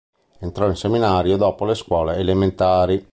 Entrò in seminario dopo le scuole elementari.